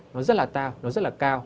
nó rất là tàu nó rất là cao